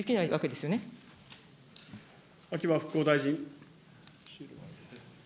秋葉復興大臣。